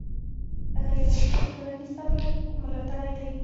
غیرت د ټولنيز عدالت ملاتړی دی